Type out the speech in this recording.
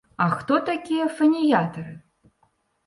А хто такія фаніятары?